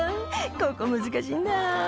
「ここ難しいんだ」